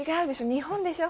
日本でしょ。